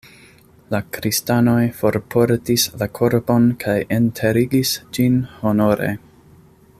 La kristanoj forportis la korpon kaj enterigis ĝin honore.